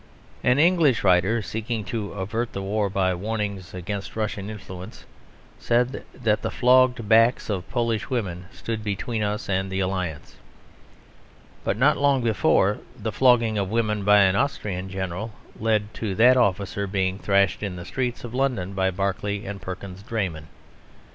An English writer, seeking to avert the war by warnings against Russian influence, said that the flogged backs of Polish women stood between us and the Alliance. But not long before, the flogging of women by an Austrian general led to that officer being thrashed in the streets of London by Barclay and Perkins' draymen.